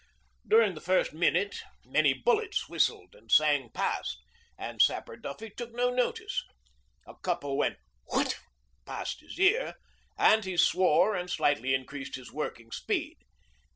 During the first minute many bullets whistled and sang past, and Sapper Duffy took no notice. A couple went 'whutt' past his ear, and he swore and slightly increased his working speed.